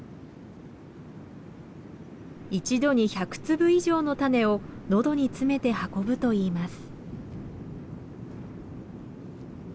一度に１００粒以上の種をのどに詰めて運ぶといいます。